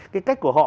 cái cách của họ